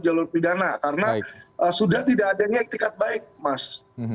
jalur pidana karena sudah tidak adanya etikat baik mas